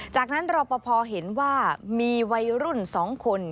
จากนั้นรอปภเห็นว่ามีวัยรุ่น๒คน